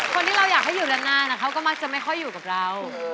คนที่เราอยากให้อยู่นานเขาก็มักจะไม่ค่อยอยู่กับเรา